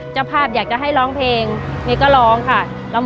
เจ้าภาพอยากจะให้ร้องเพลงนี้ก็ร้องค่ะ